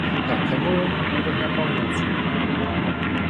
Herr Cameron oder Herr Barroso?